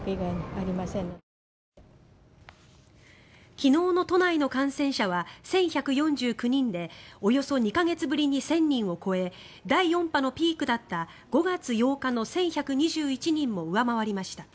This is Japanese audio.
昨日の都内の感染者は１１４９人でおよそ２か月ぶりに１０００人を超え第４波のピークだった５月８日の１１２１人も上回りました。